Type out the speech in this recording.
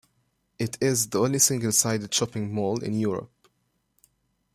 It is the only single-sided shopping mall in Europe.